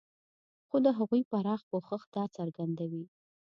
خو د هغو پراخ پوښښ دا څرګندوي.